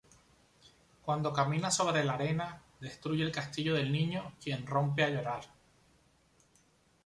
Cuando camina sobre la arena, destruye el castillo del niño, quien rompe a llorar.